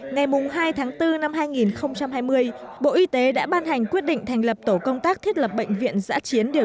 ngày hai tháng bốn năm hai nghìn hai mươi bộ y tế đã ban hành quyết định thành lập tổ công tác thiết lập bệnh viện giã chiến